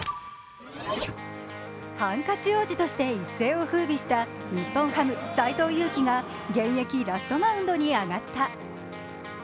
ハンカチ王子として一世をふうびした日本ハム・斎藤佑樹投手が現役ラストマウンドに上がった。